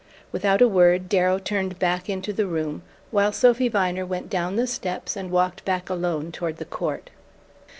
Without a word Darrow turned back into the room, while Sophy Viner went down the steps and walked back alone toward the court.